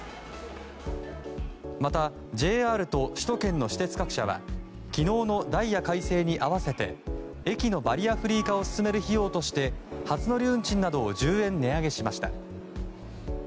また、ＪＲと首都圏の私鉄各社は昨日のダイヤ改正に合わせて駅のバリアフリー化を進める費用として初乗り運賃などを１０円値上げしました。